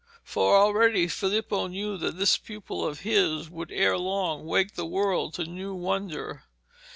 For already Filippo knew that this pupil of his would ere long wake the world to new wonder.